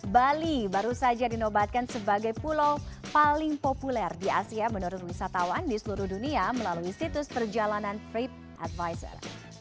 bali baru saja dinobatkan sebagai pulau paling populer di asia menurut wisatawan di seluruh dunia melalui situs perjalanan freep advisor